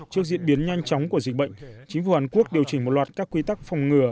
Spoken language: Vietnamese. trước diễn biến nhanh chóng của dịch bệnh chính phủ hàn quốc điều chỉnh một loạt các quy tắc phòng ngừa